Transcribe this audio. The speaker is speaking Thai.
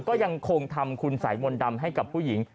ก็ยังคงทำคุณสัยมนต์ดำให้กับผู้หญิง